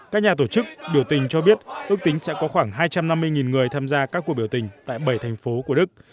các nhà tổ chức biểu tình cho biết ước tính sẽ có khoảng hai trăm năm mươi người tham gia các cuộc biểu tình tại bảy thành phố của đức